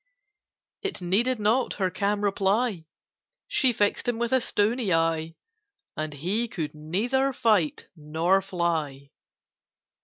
It needed not her calm reply: She fixed him with a stony eye, And he could neither fight nor fly.